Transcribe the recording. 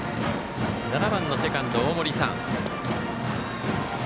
７番のセカンド、大森燦。